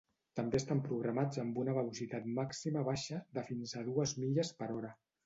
També estan programats amb una velocitat màxima baixa de fins a dues milles per hora.